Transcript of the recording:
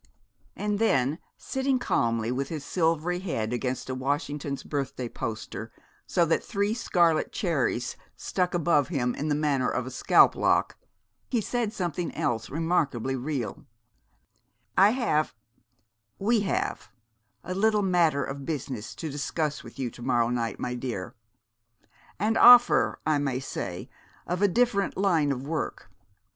And then, sitting calmly with his silvery head against a Washington's Birthday poster so that three scarlet cherries stuck above him in the manner of a scalp lock, he said something else remarkably real: "I have we have a little matter of business to discuss with you to morrow night, my dear; an offer, I may say, of a different line of work.